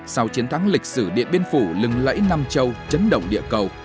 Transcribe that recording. sau chiến thắng lịch sử điện biên phủ lừng lẫy nam châu chấn động địa cầu